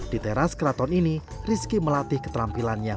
di teras keraton ini rizky melatih keterampilannya